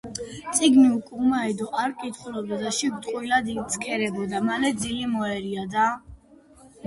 წიგნი უკუღმა ედო, არ კითხულობდა და შიგ ტყუილად იცქირებოდა. მალე ძილი მოერია და